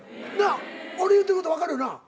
俺言ってること分かるよな？